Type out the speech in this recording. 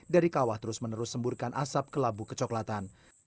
dari kawah terus menerus semburkan asap ke labu kecoklatan